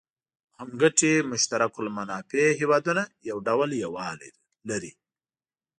هم ګټي مشترک المنافع هېوادونه یو ډول یووالی لري.